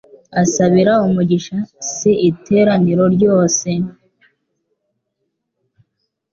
asabira umugisha s iteraniro ryose